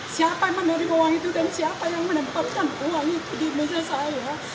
siapa yang menerima uang itu dan siapa yang mendapatkan uang itu di meja saya